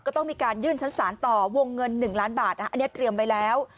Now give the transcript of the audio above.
ก็ต้องมีการยื่นชั้นศาลต่อวงเงิน๑ล้านบาทอันนี้เตรียมไว้แล้ว